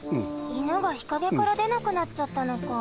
いぬがひかげからでなくなっちゃったのか。